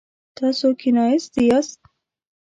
تاسو کښیناستی یاست؟